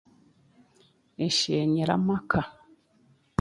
Bisheenyire amaka